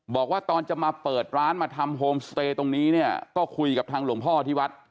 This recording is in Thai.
บอกว่าตอนจะมาเปิดร้านมาทำโฮมสเตย์ตรงนี้เนี่ยก็คุยกับทางหลวงพ่อที่วัด